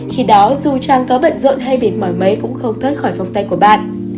khi đó dù chàng có bận rộn hay bị mỏi mấy cũng không thất khỏi phòng tay của bạn